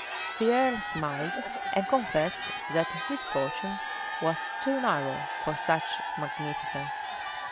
The earl smiled, and confessed that his fortune was too narrow for such magnificence.